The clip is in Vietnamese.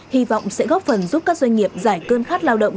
hy vọng sẽ góp phần giúp các doanh nghiệp giải cơn khát lao động